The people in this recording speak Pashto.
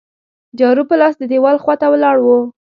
جارو په لاس د دیوال خوا ته ولاړ وو.